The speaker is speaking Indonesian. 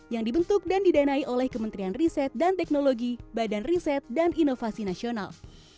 yang dibentuk dan didanai oleh kementerian riset dan teknologi badan riset dan inovasi nasional